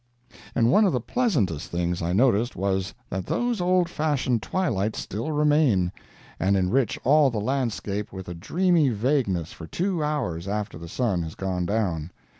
And one of the pleasantest things I noticed was, that those old fashioned twilights still remain, and enrich all the landscape with a dreamy vagueness for two hours after the sun has gone down.